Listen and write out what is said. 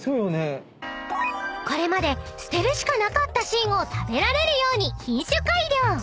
［これまで捨てるしかなかった芯を食べられるように品種改良］